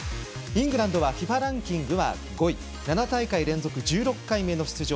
イングランドはＦＩＦＡランキング５位７大会連続１６回目の出場。